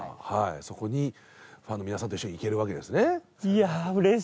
そこにファンの皆さんと一緒に行けるわけですね。